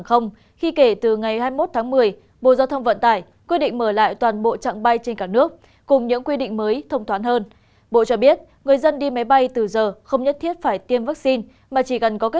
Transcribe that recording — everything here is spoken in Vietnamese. hành khách không bỏ quy định hành khách phải tiêm vaccine